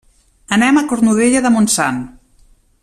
Anem a Cornudella de Montsant.